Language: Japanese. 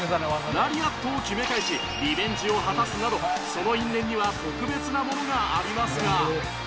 ラリアットを決め返しリベンジを果たすなどその因縁には特別なものがありますが